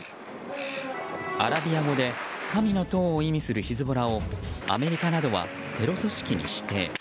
アラビア語で神の党を意味するヒズボラをアメリカなどはテロ組織に指定。